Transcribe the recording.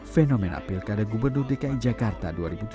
fenomen apil kada gubernur dki jakarta dua ribu tujuh belas